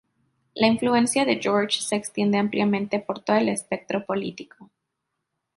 La influencia de George se extiende ampliamente por todo el espectro político.